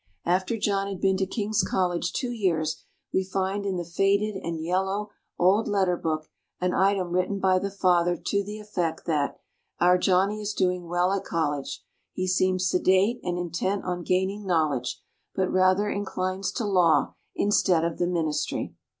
After John had been to King's College two years we find in the faded and yellow old letter book an item written by the father to the effect that: "Our Johnny is doing well at College. He seems sedate and intent on gaining knowledge; but rather inclines to Law instead of the Ministry."